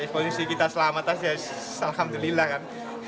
posisi kita selamat aja alhamdulillah kan